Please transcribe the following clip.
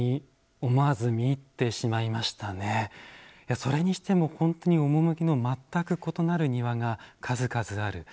それにしても本当に趣の全く異なる庭が数々ある。